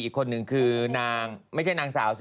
อีกคนนึงคือนางไม่ใช่นางสาวสิ